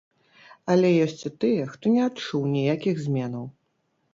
Але ёсць і тыя, хто не адчуў ніякіх зменаў.